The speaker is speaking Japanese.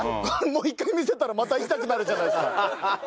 もう一回見せたらまた行きたくなるじゃないですか。